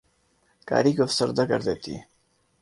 قاری کو افسردہ کر دیتی ہے